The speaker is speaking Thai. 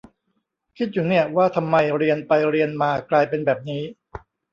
คิดอยู่เนี่ย ว่าทำไมเรียนไปเรียนมากลายเป็นแบบนี้